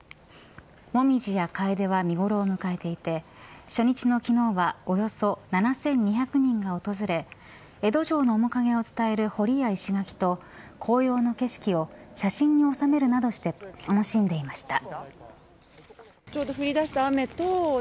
モミジやカエデは見頃を迎えていて初日の昨日は、およそ７２００人が訪れ江戸城の面影を伝える堀や石垣と紅葉の景色を写真に収めるなどして楽しんでいました。